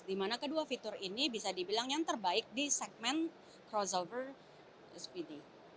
dimana kedua fitur ini bisa dibilang yang terbaik di segmen crossover spt